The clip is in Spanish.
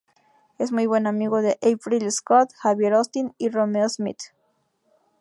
Es muy buen amigo de April Scott, Xavier Austin y Romeo Smith.